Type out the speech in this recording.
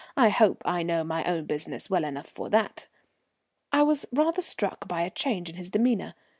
I hope I know my business well enough for that. I was rather struck by a change in his demeanour.